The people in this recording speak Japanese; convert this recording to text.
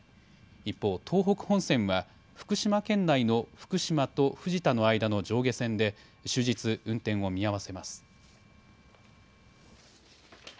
一方、東北本線は福島県内の福島と藤田の間の上下線で終日運転を見合わせます。